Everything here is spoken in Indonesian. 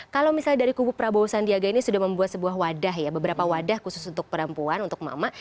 kalau misalnya dari kubu prabowo sandiaga ini sudah membuat sebuah wadah ya beberapa wadah khusus untuk perempuan untuk emak emak